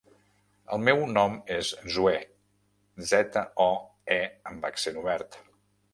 El meu nom és Zoè: zeta, o, e amb accent obert.